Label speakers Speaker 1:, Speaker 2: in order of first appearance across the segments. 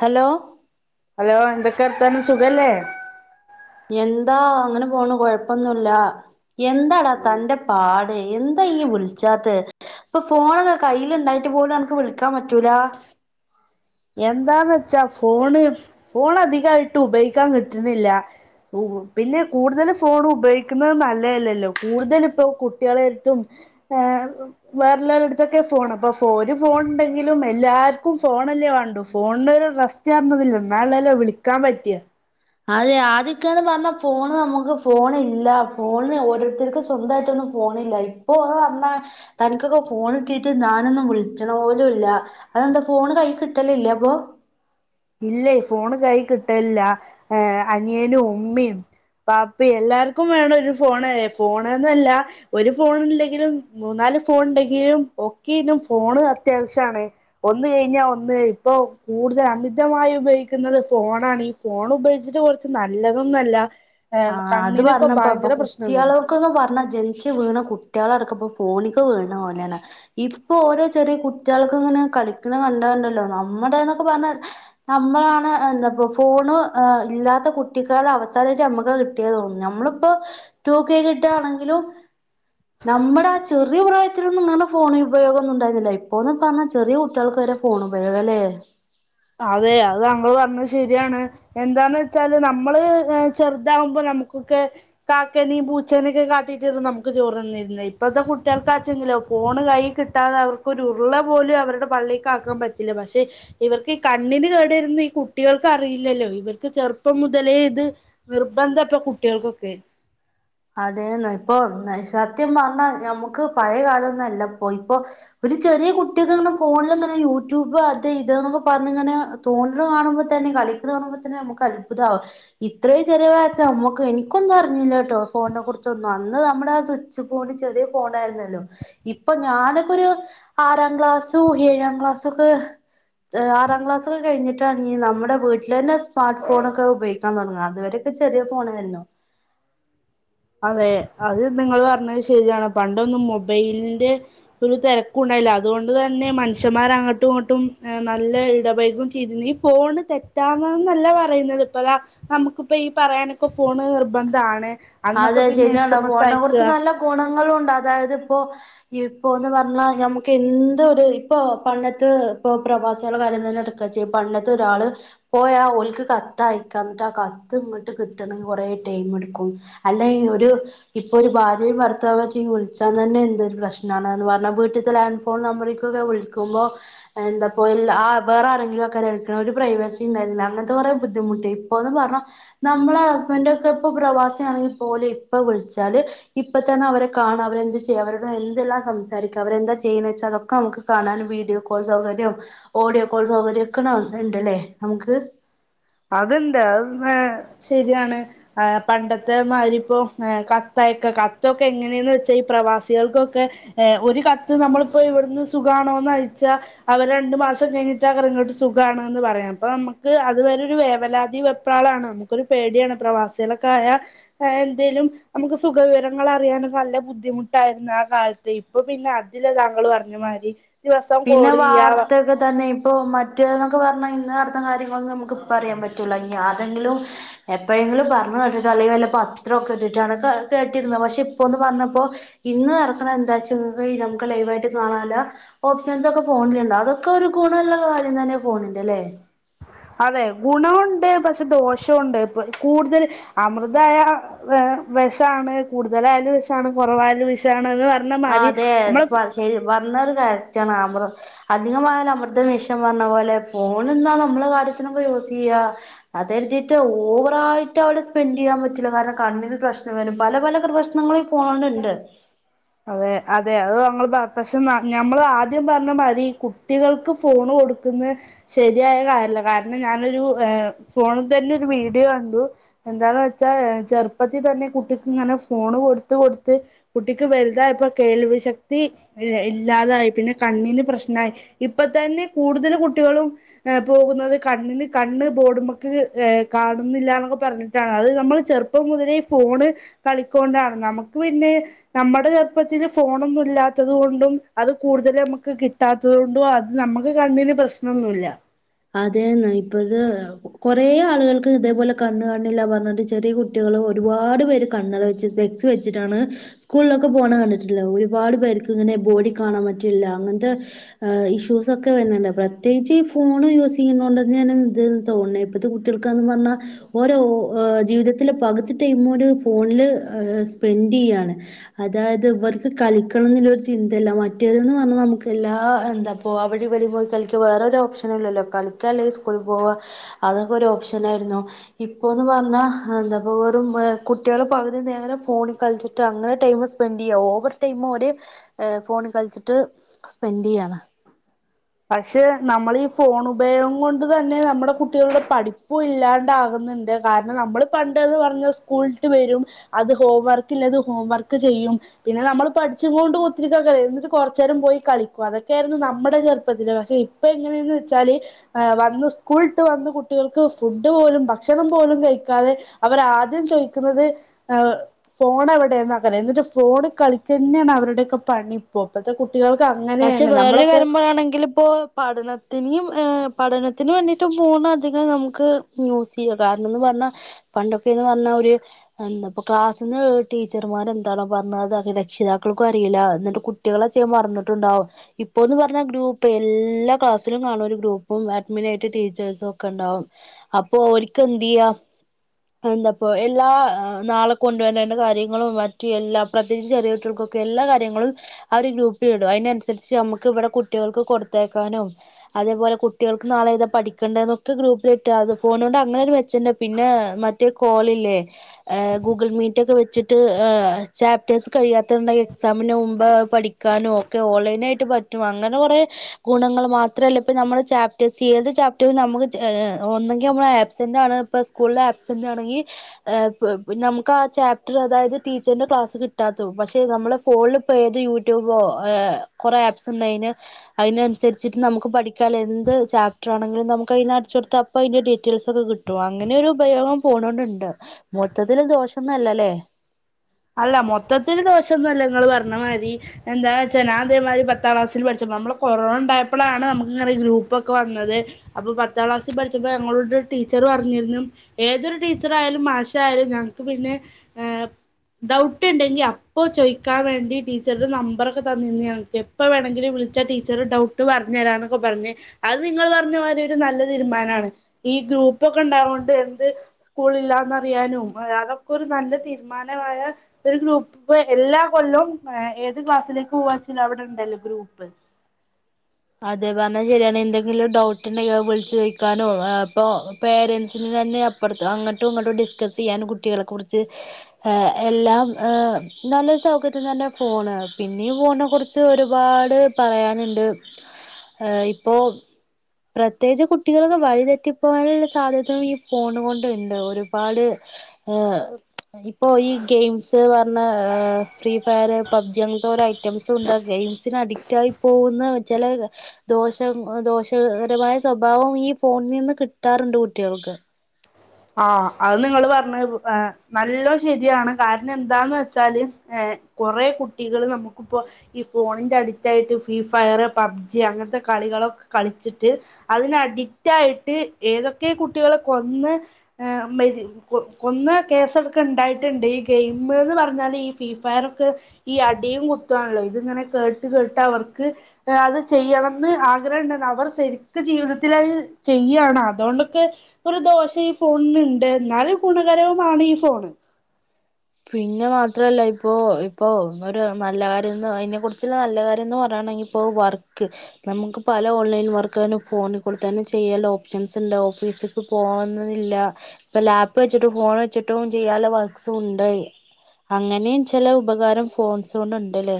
Speaker 1: Hello.
Speaker 2: Hello. എന്തൊക്കെ വർത്താനം സുഖല്ലേ?
Speaker 1: എന്താ അങ്ങനെ പോണു. കൊഴപ്പൊന്നുല്ല. എന്താടാ തന്റെ പാട് എന്താ ഇയ്യ് വിളിച്ചാത്തെ ഇപ്പൊ ഫോണൊക്കെ കയ്യിലുണ്ടായിട്ട് പോലും അനക്ക് വിളിക്കാൻ പറ്റൂല.
Speaker 2: എന്താന്ന് വെച്ചാ ഫോണ്. ഫോൺ അധികായിട്ട് ഉപയോഗിക്കാൻ കിട്ട്ണില്ല. പിന്നെ കൂടുതല് ഫോൺ ഉപയോഗിക്കുന്നത് നല്ലതല്ലല്ലോ. കൂടുതലിപ്പൊ കുട്ട്യേളെടുത്തും. ഏഹ്. വേറെല്ലോലടുത്തൊക്കെ ഫോണം. അപ്പൊ ഫോ ഒരു ഫോൺ ഇണ്ടെങ്കിലും എല്ലാർക്കും ഫോണല്ലേ വേ ഫോണിന്റെ ഒരു റെസ്റ്റാർന്ന [unintelligible] ല്ല ഇന്നാ ലല്ലെ വിളിക്കാൻ പറ്റ
Speaker 1: അതെ. ആദ്യക്കാന്ന് പറഞ്ഞാ ഫോണ് നമുക്ക് ഫോൺ ഇല്ല. ഫോണ് ഓരോരുത്തർക്കും സ്വന്തായിട്ടൊന്നും. ഫോണില്ല. ഇപ്പോ ഒന്ന് പറഞ്ഞാ തനിക്കൊക്കെ ഫോൺ കിട്ടീട്ട് ഞാനൊന്നും വിളിച്ച്ണ പോലും ഇല്ല. അതെന്താ ഫോണ് കൈയ്യ് കിട്ടലില്ലെ അപ്പൊ.
Speaker 2: ഇല്ലെയ്. ഫോണ് കൈ കിട്ടലില്ല. ഏഹ് അനിയനും ഉമ്മിം. ബാപ്പി എല്ലാർക്കും വേണം ഒരു ഫോണ്. ഫോണ്ന്നെല്ല ഒരു ഫോണ് ഇണ്ടെങ്കിലും മൂന്നാല് ഫോൺ ഇണ്ടെങ്കിലും ഒക്കേനും ഫോണ് അത്യാവശ്യാണ്. ഒന്ന് കയിഞ്ഞാ ഒന്ന് ഇപ്പൊ കൂടുതല് [unintelligible] ഇഷ്ടമായി ഉപയോഗിക്കുന്നത് ഫോണാണ്. ഈ ഫോൺ ഉപയോഗിച്ചിട്ട് കൊറച്ച് നല്ലതൊന്നല്ല.
Speaker 1: ആഹ് അത്
Speaker 2: കണ്ണിനൊക്കെ
Speaker 1: പറഞ്ഞപ്പോ. ഇപ്പൊ
Speaker 2: ഭയങ്കര പ്രശ്നം വരും
Speaker 1: കുട്ട്യോളും. ക്ക്ന്ന് പറ്ഞ്ഞാ ജനിച്ച് വീണ കുട്ട്യേളടക്കം ഇപ്പം ഫോണിക്ക് വീണ പോലേണ്. ഇപ്പൊ ഓരോ ചെറിയ കുട്ട്യേൾക്കും ഇങ്ങനെ കളിക്ക്ണ കണ്ടാൽണ്ടല്ലോ നമ്മുടെ ഇന്നൊക്കെ പറഞ്ഞാ നമ്മളാണ് എന്താപ്പോ ഫോണ് ഇല്ലാത്ത കുട്ടിക്കാല അവസാനായിട്ട് അമ്മക്ക് കിട്ട്യ തോന്നും. നമ്മളിപ്പോ ടു കെ കിട്ടാണെങ്കിലും. നമ്മടെ ആ ചെറിയ പ്രായത്തിലൊന്നും ഇങ്ങനെ ഫോണിൽ ഉപയോഗൊന്നും ഉണ്ടായിന്നില്ല. ഇപ്പോന്ന് പറഞ്ഞാ ചെറിയ കുട്ട്യോൾക്ക് വരെ ഫോണ് ഉപയോഗം അല്ലെയ്.
Speaker 2: അതെ. അത് താങ്കള് പറഞ്ഞത് ശര്യാണ്. എന്താന്ന് വെച്ചാല് നമ്മള് ചെറുതാകുമ്പോ നമുക്കൊക്കെ. കാക്കനിം പൂച്ചനൊക്കെ കാട്ടിട്ടല്ലെ നമക്ക് ചോറ് തെന്നിരുന്നെ. ഇപ്പഴത്തെ കുട്ട്യേൾക്കാച്ചെങ്കിലോ ഫോണ് കൈയി കിട്ടി കിട്ടാതെ അവർക്കാെരുരുള പോലും അവരുടെ പള്ളിക്ക് ആക്കാൻ പറ്റില്ല പക്ഷെ ഇവർക്ക്. ഈ കണ്ണിന് കേടെരുന്ന് ഈ കുട്ടികൾക്ക് അറിയില്ലല്ലോ ഇവർക്ക് ചെറുപ്പം മുതലേ ഇത്. നിർബന്ധപ്പ കുട്ട്യോൾക്കൊക്കെ.
Speaker 1: അതെന്നാ ഇപ്പൊ സത്യം പറഞ്ഞാ ഞമ്മക്ക് പഴയ കാലൊന്നല്ലപ്പോ ഇപ്പോ. ഒരു ചെറിയ കുട്ടിയക്കെങ്ങനെ ഫോണിലിങ്ങനെ യൂട്യൂബ് അത് ഇത് ന്നൊക്കെ പറഞ്ഞിങ്ങനെ. തോണ്ടണത് കാണുമ്പോ തന്നെ കളിക്കണത് കാണുമ്പോ തന്നെ നമുക്ക് അത്ഭുതാവും. ഇത്രയും ചെറിയ പ്രായത്തി അമ്മക്ക് എനിക്കൊന്നും അറിഞ്ഞില്ല കേട്ടോ. ഫോണിനെ കുറിച്ചൊന്നും അന്ന് നമ്മുടെ ആ സ്വിച്ച് ഫോണ് ചെറിയ ഫോണ് ആയിരുന്നല്ലോ. ഇപ്പോ ഞാനൊക്കെ ഒരു ആറാം ക്ലാസ്സും ഏഴാം ക്ലാസ്സും ഒക്കെ. ആറാം ക്ലാസ് ഒക്കെ കഴിഞ്ഞിട്ടാണ് നമ്മുടെ വീട്ടിലന്നെ സ്മാർട്ട് ഫോണൊക്കെ ഉപയോഗിക്ക. ക്കാൻ തുടങ്ങണത് അതുവരെക്കെ ചെറിയ ഫോണായിരുന്നു.
Speaker 2: അതെ അത് നിങ്ങള് പറഞ്ഞത് ശരിയാണ് പണ്ടൊന്നും മൊബൈലിന്റെ. ഒരു തിരക്കും ഉണ്ടായില്ല, അതുകൊണ്ട് തന്നെ മനുഷ്യന്മാർ അങ്ങോട്ടും ഇങ്ങോട്ടും നല്ല ഇടപൈകും ചെയ്തിനി. ഫോണ് തെറ്റാന്നന്നല്ല പറയുന്നത് ഇപ്പതാ. നമുക്കിപ്പോ ഈ പറയാനൊക്കെ ഫോണ് നിർബന്ധാണ്. അന്നൊക്കെ
Speaker 1: അതെ
Speaker 2: പിന്നെ എസ്
Speaker 1: ശരിയാണ്
Speaker 2: എം എസ്
Speaker 1: ഫോണിനെ കുറിച്ച്
Speaker 2: അയക്കുക
Speaker 1: നല്ല ഗുണങ്ങളുണ്ട് അതായത് ഇപ്പോ. ഇപ്പോന്ന് പറഞ്ഞാ ഞമ്മക്ക് എന്തരു ഇപ്പോ പണ്ടത്ത് ഇപ്പോ പ്രവാസിളെ കാര്യം തന്നെ എടു ക്കച്ച പണ്ടത്തെ ഒരാള്. പോയ ഓൽക്ക് കത്ത് അയക്കാ എന്നിട്ട് ആ കത്ത് ഇങ്ങട്ട് കിട്ടണെങ്കി കൊറേ ടൈം എടുക്കും. അല്ല ഈ ഒരു. ഇപ്പൊ ഒരു ഭാര്യയും ഭർത്താവും വച്ച വിളിച്ചാൻ തന്നെ എന്തൊരു പ്രശ്നാണന്ന് പറഞ്ഞാ വീട്ടിത്തെ ലാൻ ഫോൺ. ഫോൺ നമ്പറിക്കൊക്കെ വിളിക്കുമ്പോ. എന്താപ്പോ ഇല്ല ആ വേറെ ആരെങ്കിലും ഒക്കെ എടുക്കണേ ഒരു പ്രൈവസി ഉണ്ടായിരുന്നില്ല, അങ്ങനത്തെ കുറെ ബുദ്ധിമുട്ടി ഇപ്പോന്ന് പറഞ്ഞാ. നമ്മളെ ഹസ്ബന്റോക്കെ ഇപ്പോ പ്രവാസിയാണെങ്കിൽ പോലും ഇപ്പോ വിളിച്ചാല്. ഇപ്പ തന്നെ അവരെ കാണാം അവരെന്ത് ചെയ്യാ, അവരോട് എന്തെല്ലാം സംസാരിക്ക അവരെന്താ ചെയ്യണേച്ചാ അതൊക്കെ നമുക്ക്. കാണാനും വീഡിയോ കോൾ സൗകര്യം ഓഡിയോ കോൾ സൗകര്യം ഒക്കന്നെ ഉണ്ടല്ലേ നമുക്ക്.
Speaker 2: അത്ണ്ട് അതെന്താ ശരിയാണ്. ആ പണ്ടത്തെമാരിപ്പോ കത്തയക്ക കത്തൊക്കെ എങ്ങനെയന്ന് വെച്ചാ ഈ പ്രവാസികൾക്കൊക്കെ. ഒരു കത്ത് നമ്മളിപ്പോ ഇവിടുന്ന് സുഖാണോന്ന് അയച്ചാ. അവര് രണ്ടു മാസം കഴിഞ്ഞിട്ടാ അവര് ഇങ്ങോട്ട് സുഖാണ്ന്ന് പറയ. അപ്പോ നമുക്ക് അത് വരെ. ഒരു വേവലാതി വെപ്രാളാണ് നമുക്കൊരു പേടിയാണ് പ്രവാസിളൊക്കെ ആയാൽ എന്തേലും. നമുക്ക് സുഖവിവരങ്ങൾ അറിയാനൊക്കെ നല്ല ബുദ്ധിമുട്ടായിരുന്നു ആ കാലത്ത് ഇപ്പൊ പിന്നെ അ അതില്ല താങ്കള് പറഞ്ഞ മാതിരി. ദിവസം
Speaker 1: പിന്നെ
Speaker 2: കോൾ ചെയ്യാ
Speaker 1: വാർത്തക്കെ തന്നെ ഇപ്പോ മ മറ്റേ എന്നൊക്കെ പറഞ്ഞാൽ ഇന്ന് നടന്ന കാര്യങ്ങളൊന്നും നമുക്ക് ഇപ്പം അറിയാൻ പറ്റുല ഇഞ്ഞ് ആതെങ്കിലും. എപ്പോഴെങ്കിലും പറഞ്ഞു കേട്ടിട്ടോ അല്ലെങ്കി വല്ല പത്രൊക്കെ ഇട്ടിട്ടാണം കേട്ടിരുന്നത്, പക്ഷെ ഇപ്പൊന്ന് പറഞ്ഞപ്പോ. ഇന്ന് നടക്കണ എന്താച്ചങ്കി നമുക്ക് ലൈവായിട്ട് കാണാല്ല. ഓപ്ഷൻസൊക്കെ ഫോണിലുണ്ടാവും അതൊക്കെ ഒരു ഗുണള്ള കാര്യം തന്നെ ഫോണിന്റെ അല്ലേ.
Speaker 2: അതെ ഗുണമുണ്ട് പക്ഷെ ദോഷവുണ്ട് ഇപ്പ കൂടുതൽ അമൃ തായ വെഷാണ് കൂടുതലായാല് വിഷാണ് കുറവായാല് വിഷാണ്ന്ന് പറ
Speaker 1: ആ
Speaker 2: ഞ്ഞമാരി
Speaker 1: അതെ
Speaker 2: നമ്മള്.
Speaker 1: ശരി പറഞ്ഞരു കരറ്റാണ് ആമ്പ്രം. അധികമായൽ അമൃതും വിഷം പറഞ്ഞ പോലെ ഫോണ്ന്നാ നമ്മളെ കാര്യത്തിനക്കെ യൂസ് ചെയ്യ. അത് കരുതിട്ട് ഓവറായിട്ട് അവിടെ സ്പെന്റ് ചെയ്യാൻ പറ്റില്ല കാരണം കണ്ണിന് പ്രശ്നം വരും പല പല പ്രശ്നങ്ങളും. ഫോണിനുണ്ട്.
Speaker 2: അതെ അതെ അത് നമ്മൾ പ പക്ഷെ ഞമ്മൾ ആദ്യം പറഞ്ഞ മാതിരി കുട്ടികൾക്ക് ഫോണ് കൊടു ക്കുന്നേ ശരിയായ കാര്യല്ല കാരണം ഞാനൊരു ഏ ഫോണിൽ തന്നെ ഒരു വീഡിയോ കണ്ടു. എന്താന്ന് വെച്ചാ ചെറുപ്പത്തിൽ തന്നെ കുട്ടിക്ക് ഇങ്ങനെ ഫോണ് കൊടുത്ത് കൊടുത്ത് കുട്ടി ക്ക് വലുതായപ്പൊ കേൾവി ശക്തി ഇ ഇല്ലാതായി പിന്നെ കണ്ണിന് പ്രശ്നായി ഇപ്പോ തന്നെ കൂടുതല് കുട്ടികളും ഏ പോകുന്നത് കണ്ണിന് കണ്ണ് ബോഡുമേക്ക് ഏ കാണുന്നില്ല എന്നൊക്കെ പറഞ്ഞിട്ടാണ് അത് നമ്മള് ചെറു പ്പം മുതലേ ഫോണ് കളിക്കൊണ്ടാണ് നമുക്ക് പിന്നെ നമ്മുടെ ചെറുപ്പത്തില് ഫോണൊന്നും ഇല്ലാത്തത് കൊണ്ടും അത് കൂടുതൽ നമുക്ക് കിട്ടാ ത്തത് കൊണ്ടും അത് നമുക്ക് കണ്ണിന് പ്രശ്നവൊന്നുവില്ല
Speaker 1: അതേന്ന് ഇപ്പഴ്‌ കുറേ ആളുകൾക്ക് ഇതേപോലെ കണ്ണ് കാണണില്ലാ പറഞ്ഞിട്ട് ചെറിയ കുട്ടികള് ഒരുപാട് പേര് കണ്ണട വെച്ച് ഫെ ക്സ് വെച്ചിട്ടാണ് സ്കൂളിലൊക്കെ പോണ കണ്ടിട്ടില്ലെ ഒരുപാട് പേർക്ക് ഇങ്ങനെ ബോഡി കാണാൻ പറ്റണില്ല അങ്ങനത്തെ ഇഷ്യൂസ് ഒക്കെ വരുന്നുണ്ട് പ്രത്യേകിച്ച് ഈ ഫോ ണ് യൂസ് ചെയ്യണ കൊണ്ട് തന്നെയാണ് ഇത് എന്ന് തോന്നണ് ഇപ്പത്തെ കുട്ടികൾക്കാന്ന് പറഞ്ഞാ ഓര് ജീവിതത്തില് പകുതി ടൈമ് ഒര് ഫോണില് സ്പെൻഡ് ചെയ്യാണ് അതായത് ഇവർക്ക് കളിക്കണം എന്നുള്ള ഒരു ചിന്തയില്ല മറ്റേതെന്ന് പറഞ്ഞാ നമുക്ക് എല്ലാ എന്താ ഇ പ്പോ അവടെയും ഇവടെയും പോയി കളിക്കും വേറൊര് ഒപ്ഷനും ഇല്ലല്ലോ കളിക്കുക അല്ലങ്കിൽ സ്കൂളിൽ പോവാ അതൊക്കെ ഒരു ഓപ്ഷൻ ആയിരുന്നു ഇപ്പോന്ന് പറഞ്ഞാ എന്താപ്പ വെറും കുട്ടികള് പകുതി നേരം ഫോണിൽ കളിച്ചിട്ട് അങ്ങനെ ടൈമ് സ്പെൻഡ്‌ ചെയ്യാ ഓവർ ടൈമ് കൂടി ഫോണിൽ കളിച്ചിട്ട് സ്പെൻഡ് ചെയ്യാണ്
Speaker 2: പക്ഷെ നമ്മടെ ഈ ഫോണ് ഉപയോഗം കൊണ്ട് തന്നെ നമ്മടെ കുട്ടികളുടെ പഠിപ്പും ഇല്ലാണ്ടാകുന്നുണ്ട് കാരണം നമ്മള് പണ്ടെന്ന് പറഞ്ഞാ സ്കൂള് വിട്ട് വരും അത് ഹോം വർക്ക് ഇല്ലത് ഹോം വർക്ക് ചെയ്യും പിന്നെ നമ്മള് പഠിച്ചുങ്ങോണ്ട് കുത്തിരികേകാരം എന്നിട്ട് കുറച്ച് നേരം പോയി കളിക്കും അതൊക്കെയാരുന്നു നമ്മുടെ ചെറു പ്പത്തില് പക്ഷെ ഇപ്പൊ എങ്ങനെയെന്ന് വെച്ചാല് ആഹ് വന്നു സ്കൂള് വിട്ട് വന്ന് കുട്ടികൾക്ക് ഫുഡ് പോലും ഭക്ഷണം പോലും കഴിക്കാതെ അവര് ആദ്യം ചോയ്ക്കുന്നത് ആ ഫോണ് എവടെന്നാക്കാരം എന്നിട്ട് ഫോണിൽ കളിക്ക തന്നെയാണ് അവരുടെയൊക്കെ പണി പ്പൊ ഇപ്പത്തെ കുട്ടികൾക്ക് അങ്ങനെയാണ് നമ്മളൊക്കെ
Speaker 1: ആണെങ്കിലും. ഇപ്പോ പഠനത്തിനെയും പഠനത്തിന് വേണ്ടിട്ട് ഫോണ് അധികം നമുക്ക് യൂസ് ചെയ്യാം കാരണം എന്ന് പറഞ്ഞാ പണ്ടൊക്കെയെന്ന് പറഞ്ഞാ ഒര് എന്താ ഇപ്പ ക്ലാസീന്ന് ടീച്ചർമാര് എന്താണോ പറഞ്ഞത് അത് രക്ഷിതാക്കൾക്കും അറിയില എന്നിട്ട് കു കുട്ടികൾ അത് ചെയ്യാൻ മറന്നിട്ടുണ്ടാവും ഇപ്പോന്ന് പറഞ്ഞാ ഗ്രൂപ്പ് എല്ലാ ക്ലാസ്സിലും കാണും ഒരു ഗ്രൂപ്പും അഡ്മിനായിട്ട് ടീച്ചേഴ്സും ഒക്കെ ഉണ്ടാവും അപ്പൊ ഓല്ക്ക് എന്ത് ചെയ്യാം അത് എന്താ ഇപ്പോ എല്ലാ നാളെ കൊണ്ട്‌ വരണ്ടേണ്ട കാര്യങ്ങളും മറ്റ് എല്ലാ പ്രത്യേകിച്ച് ചെറിയ കുട്ട്യോൾക്കൊക്കെ എല്ലാ കാര്യങ്ങളും അവര് ഗ്രൂപ്പിൽ ഇടും അതിന് അനുസരിച്ച് നമ്മുക്ക് ഇവിടെ കുട്ടിയോൾക്ക് കൊടുത്തയക്കാനും അതേപോലെ കുട്ടികൾക്ക് നാളെ ഏതാ പഠിക്കണ്ടെന്നൊക്കെ ഗ്രൂപ്പില് ഇട്ടാ അത് ഫോണ് കൊണ്ട് അങ്ങനെയൊരു മെച്ചമുണ്ട് പിന്നെ മ റ്റു കോളില്ലേ ഏ ഗൂഗിൾ മീറ്റൊക്കെ വെച്ചിട്ട് ചാപ്റ്റേഴ്സ് കഴിയാത്തത് ഉണ്ടങ്കി എക്സാമിന് മുമ്പ് പഠി ക്കാനും ഒക്കെ ഓൺലൈനായിട്ട് പറ്റും അങ്ങനെ കുറേ ഗുണങ്ങള് മാത്രവല്ല ഇപ്പ നമ്മള് ചാപ്റ്റേഴസ് ഏത് ചാപ്റ്ററും നമുക്ക് ഒന്നെങ്കിൽ നമ്മൾ ആബ്സെന്റ് ആണ് ഇപ്പ സ്കൂളില് ആബ്സന്റാണെങ്കി. ഏഹ് പ് നമുക്ക് ആ ചാപ്റ്റർ അതായത് ടീച്ചറിന്റെ ക്ലാസ് കിട്ടാതു പക്ഷെ നമ്മള്. ഫോളിലി പ്പോ ഏത് യൂട്യൂബോ ഏഹ് കൊറെ ആപ്സ് ഉണ്ടായിന്. അയ്നനുസരിച്ചിട്ട് നമുക്ക് പഠിക്കാല്ലെ എന്ത് ചാപറ്റർ ആണെങ്കിലും നമുക്ക് അതിന്ന്‌ അടിച്ചൊടുത്ത പ്പൊ അയ്ന്ന്‌ ഡീറ്റെയിൽസ് ഒക്കെ കിട്ടും അങ്ങനെ ഒരു ഉപയോഗം ഫോണോണുണ്ട്. മൊത്തത്തില് ദോഷൊന്നു അല്ലല്ലേ.
Speaker 2: അല്ല മൊത്തത്തില് ദോഷോന്നുല്ല നിങ്ങള് പറഞ്ഞ മാതിരി എന്താ വച്ച ഞാതേമാരി പത്താം ക്ലാസില് പഠിച്ചപ്പോ നമ്മളെ കൊറോണ ഉണ്ടായപ്പളാണ് നമ്മക്ക് ഇങ്ങനെ ഗ്രൂപ്പൊക്കെ വന്നത്. അപ്പൊ പത്താം ക്ലാസ്സി പഠിച്ചപ്പോ ഞങ്ങളോട് ടീച്ചർ പറഞ്ഞിര്ന്നു. ഏതൊരു ടീച്ചർ ആയാലും മാഷായാലും ഞങ്ങക്ക് പിന്നെ. ഏഹ് ഡൗട്ട് ഉണ്ടെങ്കി അപ്പ ചോയ്ക്കാൻ വേണ്ടി ടീച്ചറുടെ നമ്പറൊക്കെ തന്നിന്ന് ഞങ്ങക്ക്. എപ്പ വേണങ്കിലും വിളിച്ചാ ടീച്ചറ് ടൗട്ട് പറഞേരാനൊക്കെ പറഞ്ഞ് അത് നിങ്ങൾ പറഞ്ഞ മാതിരി ഒരു നല്ല തീരുമാനമാണ് ഈ ഗ്രൂപ്പൊക്കെ ഇണ്ടായോണ്ട് എന്ത്. സ്കൂൾ ഇല്ലാന്ന് അറിയാനും അതൊക്കെ ഒരു നല്ല തീരുമാനമായ. ഒരു ഗ്രൂപ്പ് ഇപ്പൊ എല്ലാ കൊല്ലവും ഏത് ക്ലാസ്സിലേക്ക് പോവാച്ചാലും അവിടെണ്ടല്ലോ ഗ്രൂപ്പ്.
Speaker 1: അതേ പറഞ്ഞ് ശരിയാണ് എന്തെങ്കിലും ഡൗട്ട് ഉണ്ടെങ്കി വിളിച്ചു ചോദിക്കാനോ അപ്പൊ പേരൻറ്സിന് തന്നെ. പുറത്ത് അങ്ങോട്ടും ഇങ്ങോട്ടും ഡിസ്കസ് ചെയ്യാൻ കുട്ടികളെ കുറിച്ച് എല്ലാം ഏ നല്ല സൗകര്യം തന്നെ ഫോണ് പിന്നെ ഈ ഫോണിനെ കുറിച്ച്. പക്ഷെ ഒരുപാട് പറയാനുണ്ട് ഇപ്പോ പ്രത്യേകിച്ച് കുട്ടികൾക്ക് വഴിതെറ്റിപ്പോകാനുള്ള സാധ്യത ഈ ഫോണ് കൊണ്ട്ണ്ട് ഒരുപാട്. ഏഹ് ഇപ്പൊ ഈ ഗെയിംസ് പറഞ്ഞ ഫ്രീ ഫയറ് പബ്ജി അങ്ങനത്തെ ഓരായി ഐറ്റംസ് ഉണ്ട്. ഗെയിംസിന് അഡിക്റ്റ് ആയി പോകുന്ന ചില ദോഷം ദോഷകരമായ സ്വഭാവം ഈ ഫോണിൽ നിന്ന് കിട്ടാറുണ്ട് കുട്ടികൾക്ക്.
Speaker 2: ആഹ അത് നിങ്ങള് പറഞ്ഞത് നല്ലോ ശരിയാണ് കാരണം എന്താന്ന് വെച്ചാല്. ഏഹ് കൊറെ കുട്ടികള് നമുക്കിപ്പോ. ഈ ഫോണിന്റെ അടിക്റ്റ് ആയിട്ട് ഫ്രീ ഫയർ പബ്ജി അങ്ങനത്തെ കളികളൊക്കെ കളിച്ചിട്ട്. അതിന് അഡിക്റ്റ് ആയിട്ട് ഏതൊക്കെ കുട്ടികളെ കൊന്ന് ഏഹ് മരി കൊ കൊന്ന് കേസൊക്കെ ഉണ്ടായിട്ടുണ്ട്. ഈ ഗെയിം എന്ന് പറഞ്ഞാല് ഈ ഫ്രീ ഫയറൊക്കെ. ഈ അടിയും കുത്തുവാണല്ലോ ഇത് ഇങ്ങനെ കേട്ട് കേട്ട് അവർക്ക്. അത് ചെയ്യണം ന്ന് ആഗ്രഹം ഉണ്ട്ന്ന് അവർ ശരിക്ക് ജീവിതത്തിൽ അത് ചെയ്യാണ്. അതുകൊണ്ടക്കെ ഒരു ദോഷ ഈ ഫോണിനുണ്ട്. എന്നാല് ഗുണകരവുമാണ് ഈ ഫോണ്.
Speaker 1: പിന്നെ മാത്രമല്ല ഇപ്പോ ഇപ്പോ ഒന്നൊരു നല്ല കാര്യംന്ന് അതിനെക്കുറിച്ച് നല്ല കാര്യന്ന് പറയണെങ്കിൽ പ്പോ വർക്ക്. നമുക്ക് പല ഓൺലൈൻ വർക്ക്കളും ഫോണിൽ കൂടെ തന്നെ ചെയ്യാനുള്ള ഓപ്ഷൻസ് ഉണ്ട്. ഓഫീസ് പോകുന്നില്ല ഇപ്പ ലാപ്പ് വെച്ചിട്ടും ഫോൺ വെച്ചിട്ടും ചെയ്യാനുള്ള വർക്ക്സും ഉണ്ട്. അങ്ങനെയും ചില ഉപകാരം ഫോൺസുകൊണ്ട് ഉണ്ട്ല്ലേ.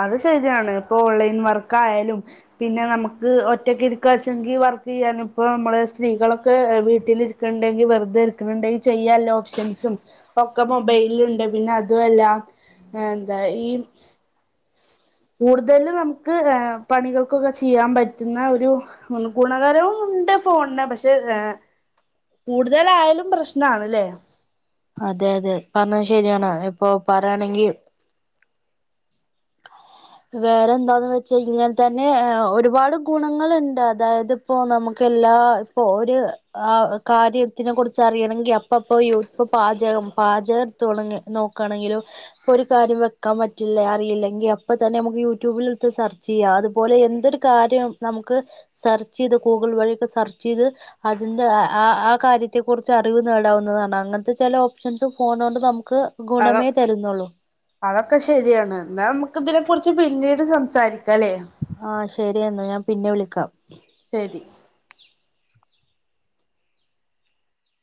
Speaker 2: അത് ശരിയാണ്. ഇപ്പൊ ഓൺലൈൻ വർക്ക് ആയാലും. പിന്നെ നമുക്ക് ഒറ്റക്ക് ഇരിക്ക വച്ചെങ്കിൽ വർക്ക് ചെയ്യാനും ഇപ്പം നമ്മള് സ്ത്രീകളൊക്കെ വീട്ടിലിര് ക്കെണ്ടെങ്കിൽ വെറുതെ ഇരിക്കണുണ്ടെങ്കിൽ ചെയ്യാല്ലോപ്ഷൻസും. ഒക്കെ മൊബൈലില് ഉണ്ട് പിന്നെ അതു അല്ല. എന്താ ഈ കൂടുതലും നമുക്ക് പണികൾക്കൊക്കെ ചെയ്യാൻ പറ്റുന്ന ഒരു ഒന്ന് ഗുണകരവും ഉണ്ട് ഫോണിന് പക്ഷെ ഏഹ് കൂടുതലായാലും പ്രശ്നാണല്ലേ.
Speaker 1: അതെ അതെ പറഞ്ഞത് ശരിയാണ്. ഇപ്പൊ പറയാണെങ്കി വേറെന്താന്ന് വെച്ച് കഴിഞ്ഞാൽ തന്നെ ഒരുപാട് ഗുണങ്ങളുണ്ട്. അതായത്- ഇപ്പൊ നമുക്ക് എല്ലാ ഇപ്പോ ഒരു കാര്യത്തിനെ കുറിച്ച് അറിയണങ്കിൽ അപ്പോ- ഇപ്പപ്പൊ യു ഇപ്പ പാചകം പാചകം തൊടങ്ങി എടുത്തു നോക്കയാണെങ്കിലോ - ഇപ്പൊ ഒരു കാര്യം വെക്കാൻ പറ്റില്ലേ അറിയില്ലേ- എങ്കി അപ്പ തന്നെ നമുക്ക് യൂട്യൂബില് എട്ത്ത് സെർച്ച് ചെയ്യാം. അതുപോലെ എന്തൊരു കാര്യം നമുക്ക്- സെർച്ച് ചെയ്ത് ഗൂഗിൾ വഴിയൊക്കെ സെർച്ച് ചെയ്ത്- അതിന്റെ ആ കാര്യത്തെ കുറിച്ച് അറിവ് നേടാവുന്നതാണ്. അങ്ങനത്തെ ചെല ഓപ്ഷൻസ് ഫോണോണ്ട് നമുക്ക്-
Speaker 2: അതൊ
Speaker 1: ഗുണമേ തരുന്നുള്ളൂ.
Speaker 2: അതൊക്കെ ശരിയാണ് എന്നാ നമുക്ക് ഇതിനെ കുറിച്ച് പിന്നീട് സംസാരിക്കാം അല്ലേ.
Speaker 1: ആ ശരിയെന്നാ ഞാൻ പിന്നെ വിളിക്കാം.
Speaker 2: ശരി.